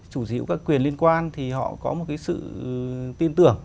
chủ sở hữu các quyền liên quan thì họ có một cái sự tin tưởng